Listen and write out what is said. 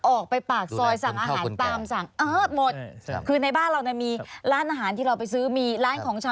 ออกไปปากซอยสั่งอาหารตามสั่ง